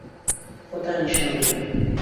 خۆتان نیشان بدەن.